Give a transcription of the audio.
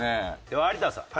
では有田さん。